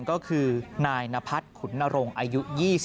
ก็คือนายนพัฒน์ขุนนรงค์อายุ๒๓